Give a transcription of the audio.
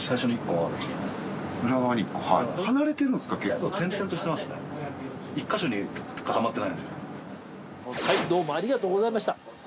はいどうもありがとうございました。